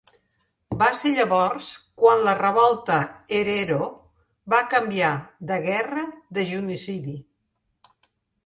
Va ser llavors quan la revolta herero va canviar de guerra, de genocidi.